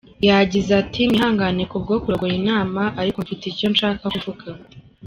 Yagize ati "Mwihangane ku bwo kurogoya inama ariko mfite icyo nshaka kuvuga.